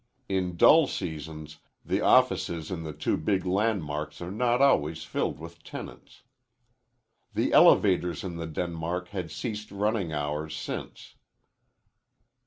In dull seasons the offices in the two big landmarks are not always filled with tenants. The elevators in the Denmark had ceased running hours since.